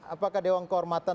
apakah dewan kehormatan